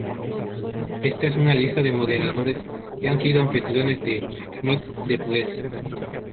Esta es una lista de moderadores que han sido anfitriones de "Meet the Press".